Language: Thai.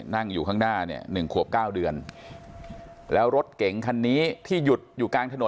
นั่งอยู่ข้างหน้าเนี่ย๑ขวบ๙เดือนแล้วรถเก๋งคันนี้ที่หยุดอยู่กลางถนน